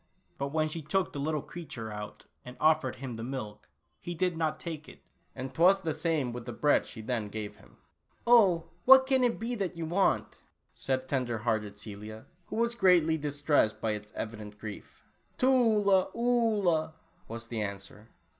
But when she took the little creature out and offered him the milk, he did not take it, and 'twas the same with the bread she then gave him. "Oh, what can it be that you want?" said tender hearted Celia, who was greatly distressed by its evident grief "Tula Oolah," was the answer.